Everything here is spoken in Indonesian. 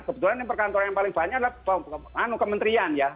kebetulan yang perkantoran yang paling banyak adalah kementerian ya